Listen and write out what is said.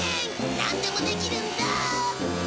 なんでもできるんだ。